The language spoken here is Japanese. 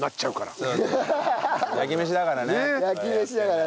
焼き飯だから。